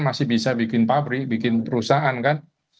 masih bisa bikin pabrik bikin perusahaan kan